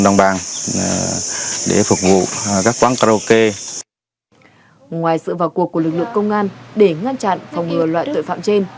ngoài sự vào cuộc của lực lượng công an để ngăn chặn phòng ngừa loại tội phạm trên